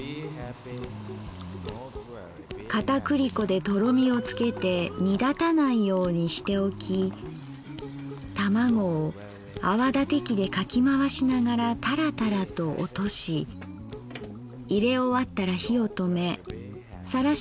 片栗粉でとろみをつけて煮だたないようにしておき玉子を泡立て器でかきまわしながらタラタラと落としいれ終わったら火をとめさらし